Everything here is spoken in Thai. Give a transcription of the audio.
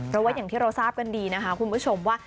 เพราะว่าอย่างที่เราทราบกันดีนะคะคุณผู้ชมว่า